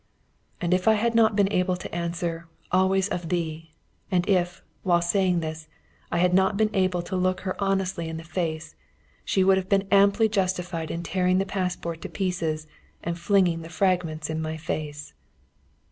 And if I had not been able to answer, "Always of thee!" and if, while saying this, I had not been able to look her honestly in the face, she would have been amply justified in tearing the passport to pieces and flinging the fragments in my face.